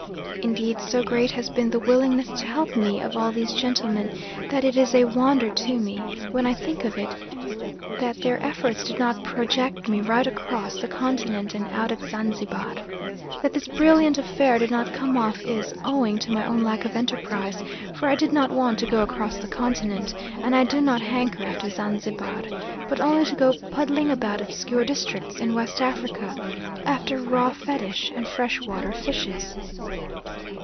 Indeed so great has been the willingness to help me of all these gentlemen, that it is a wonder to me, when I think of it, that their efforts did not project me right across the continent and out at Zanzibar. That this brilliant affair did not come off is owing to my own lack of enterprise; for I did not want to go across the continent, and I do not hanker after Zanzibar, but only to go puddling about obscure districts in West Africa after raw fetish and fresh water fishes.